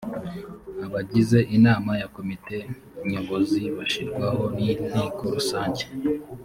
abagize inama ya komite nyobozi bashirwaho n’inteko rusange